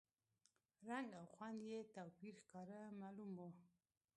رنګ او خوند کې یې توپیر ښکاره معلوم و.